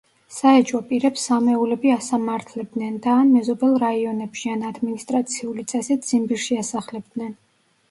საეჭვო პირებს „სამეულები“ ასამართლებდნენ და ან მეზობელ რაიონებში, ან ადმინისტრაციული წესით ციმბირში ასახლებდნენ.